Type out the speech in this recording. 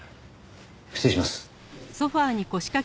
失礼します。